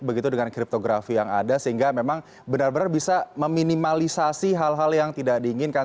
begitu dengan kriptografi yang ada sehingga memang benar benar bisa meminimalisasi hal hal yang tidak diinginkan